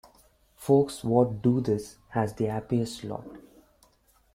Folks what do this has the happiest lot.